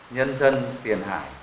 nhân dân tiền hải